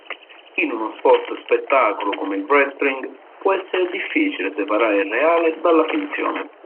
In uno sport-spettacolo come il wrestling, può essere difficile separare il reale dalla finzione.